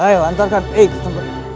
ayo hantarkan eik ke tempat